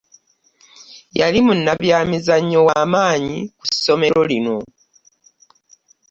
Yali munnabyamizannyo wa maanyi ku ssomero lino